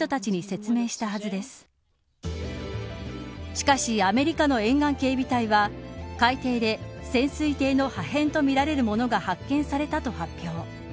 しかしアメリカの沿岸警備隊は海底で潜水艇の破片とみられるものが発見されたと発表。